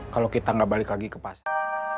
kalau kita nggak balik lagi ke pasar